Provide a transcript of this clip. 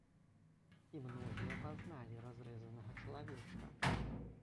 І многія пазналі разрэзанага чалавечка.